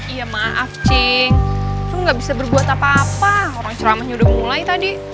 iya maaf cheng lu gak bisa berbuat apa apa orang ceramahnya udah mulai tadi